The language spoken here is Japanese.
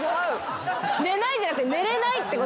寝ないじゃなくて寝れないってことですよね？